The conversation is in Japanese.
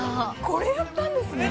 これやったんですね？